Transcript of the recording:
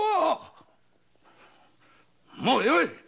もうよい！